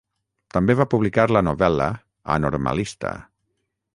També va publicar la novel·la "A Normalista".